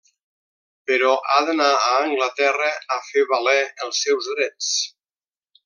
Però ha d'anar a Anglaterra a fer valer els seus drets.